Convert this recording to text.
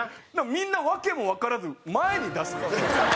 みんな訳もわからず前に出す。